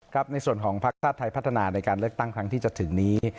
ครับในส่วนของภาคชาติไทยพัฒนาในการเลือกตั้งที่จะถึงนี้